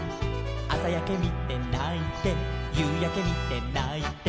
「あさやけみてないてゆうやけみてないて」